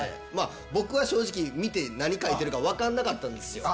僕は正直見て何書いてるか分かんなかったんですよ。